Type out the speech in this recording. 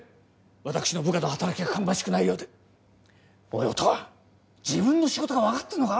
私の部下の働きが芳しくないようでおい音羽自分の仕事が分かってるのか？